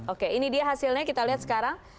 oke ini dia hasilnya kita lihat sekarang